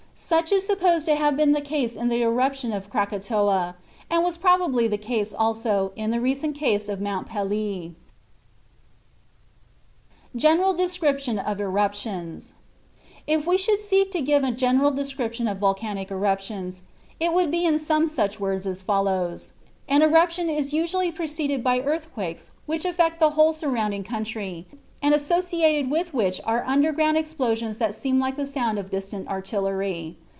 Such is supposed to have been the case in the eruption of Krakatoa, and was probably the case also in the recent case of Mt. Pelee. GENERAL DESCRIPTION OF ERUPTIONS If we should seek to give a general description of volcanic eruptions, it would be in some such words as follows: An eruption is usually preceded by earthquakes which affect the whole surrounding country, and associated with which are underground explosions that seem like the sound of distant artillery.